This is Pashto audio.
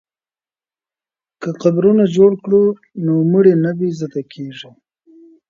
که قبرونه جوړ کړو نو مړي نه بې عزته کیږي.